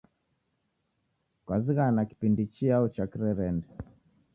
Kwazighana kipindi chiao cha kirerende?